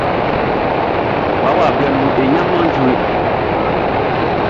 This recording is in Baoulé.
Wawa blɛ nunʼn, e ɲanman nʼzue.